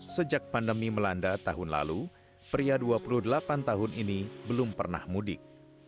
sejak pandemi melanda tahun lalu pria dua puluh delapan tahun ini belum pernah mudik